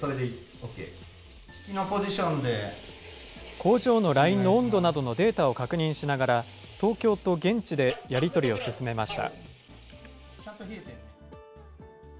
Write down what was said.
工場のラインの温度などのデータを確認しながら、東京と現地でやり取りを進めました。